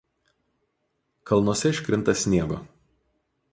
Kalnuose iškrinta sniego.